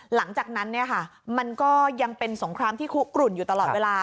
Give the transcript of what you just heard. หลังจากนั้นมันก็ยังเป็นสงครามที่คุกกลุ่นอยู่ตลอดเวลา